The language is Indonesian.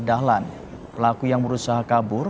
dahlan pelaku yang berusaha kabur